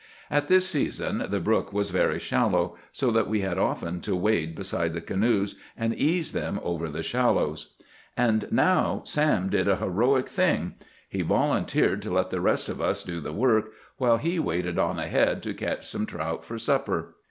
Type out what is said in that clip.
At this season the brook was very shallow, so that we had often to wade beside the canoes and ease them over the shallows. And now Sam did a heroic thing. He volunteered to let the rest of us do the work, while he waded on ahead to catch some trout for supper.